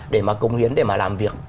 để mà công hiến để mà làm việc